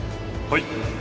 はい。